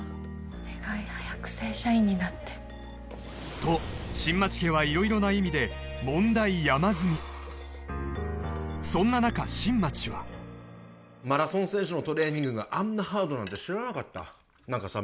お願い早く正社員になってと色々な意味でそんな中新町はマラソン選手のトレーニングがあんなハードなんて知らなかった何かさ